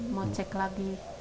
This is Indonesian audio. mau cek lagi